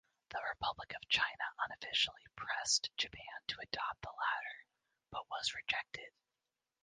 The Republic of China unofficially pressed Japan to adopt the latter but was rejected.